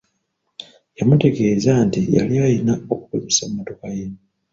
Yamutegeeza nti yali alina okukozesa mmotoka ye.